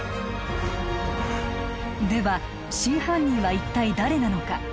では真犯人は一体誰なのか？